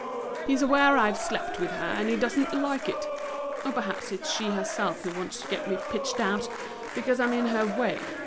He's aware I've slept with her, and he doesn't like it; or perhaps it's she herself who wants to get me pitched out, because I'm in her way.